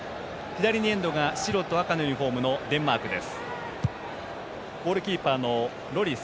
左にエンドが白と赤のユニフォームデンマークです。